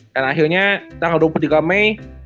dan akhirnya tanggal dua puluh tiga mei